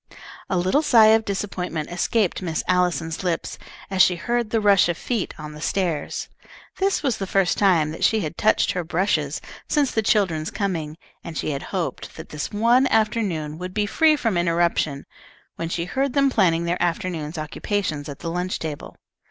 A little sigh of disappointment escaped Miss Allison's lips, as she heard the rush of feet on the stairs. This was the first time that she had touched her brushes since the children's coming, and she had hoped that this one afternoon would be free from interruption, when she heard them planning their afternoon's occupations at the lunch table.